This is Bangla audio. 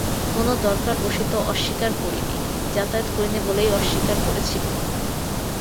কোনো দরকার-বশত অস্বীকার করি নি– যাতায়াত করি নে বলেই অস্বীকার করেছিলুম।